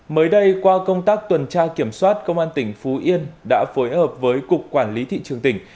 mới đây qua công tác tuần tra kiểm soát công an tỉnh phú yên đã phối hợp với cục quản lý thị trường tỉnh